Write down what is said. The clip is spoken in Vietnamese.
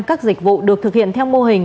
các dịch vụ được thực hiện theo mô hình